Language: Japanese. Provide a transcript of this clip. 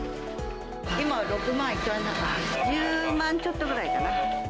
今、１０万ちょっとぐらいかな。